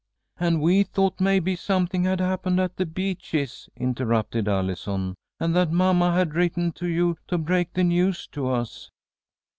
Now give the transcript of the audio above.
"And we thought maybe something had happened at 'The Beeches,'" interrupted Allison, "and that mamma had written to you to break the news to us."